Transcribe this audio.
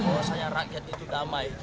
rasanya rakyat itu damai